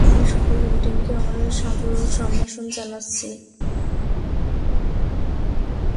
আমি সকল ইন্ডিয়ানকে আমার সাদর সম্ভাষণ জানাচ্ছি।